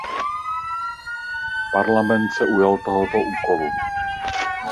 Parlament se ujal tohoto úkolu.